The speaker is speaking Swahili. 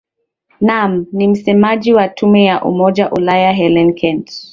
naam ni msemaji wa tume ya umoja ulaya hellen kent